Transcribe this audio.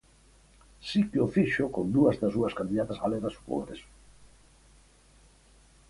Si que o fixo con dúas das súas candidatas galegas ao Congreso.